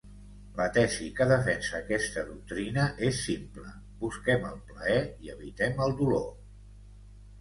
La tesi que defensa aquesta doctrina és simple: busquem el plaer i evitem el dolor.